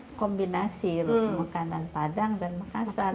itu kombinasi untuk makanan padang dan makassar